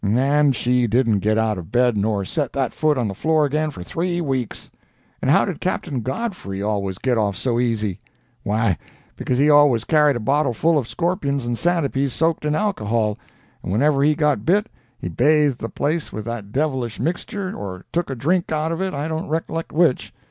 And she didn't get out of bed nor set that foot on the floor again for three weeks. And how did Captain Godfrey always get off so easy? Why, because he always carried a bottle full of scorpions and santipedes soaked in alcohol, and whenever he got bit he bathed the place with that devilish mixture or took a drink out of it, I don't recollect which.